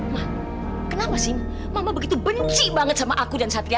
mah kenapa sih mama begitu benci banget sama aku dan satria